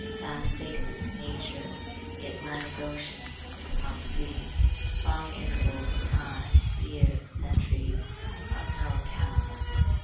Vast spaces of nature, the Atlantic Ocean, the South Sea; long intervals of time, years, centuries, are of no account.